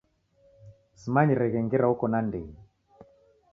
Simanyireghe ngera oko nandenyi